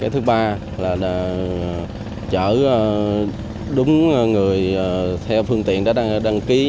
thứ ba là chở đúng người theo phương tiện đã đăng ký